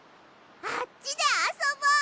あっちであそぼう！